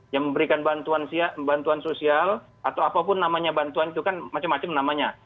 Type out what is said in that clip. yang memberikan bantuan sosial atau apapun namanya bantuan itu kan macam macam namanya